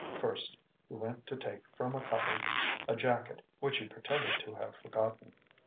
First he went to take from a cupboard a jacket which he pretended to have forgotten.